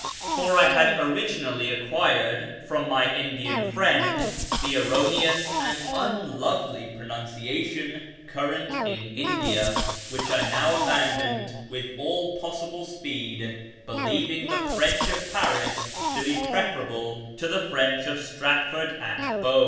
For I had originally acquired from my Indian friend the erroneous and unlovely pronunciation current in India, which I now abandoned with all possible speed, believing the " French of Paris " to be preferable to the " French of Stratford atte Bowe."